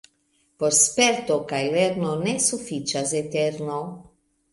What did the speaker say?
Por sperto kaj lerno ne sufiĉas eterno.